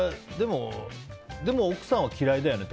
でも奥さんは嫌いだよね。